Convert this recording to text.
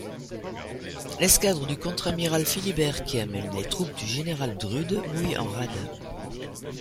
L'escadre du contre-amiral Philibert qui amène les troupes du général Drude mouille en rade.